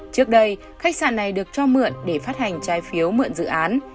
trước đây khách sạn này được cho mượn để phát hành trái phiếu mượn dự án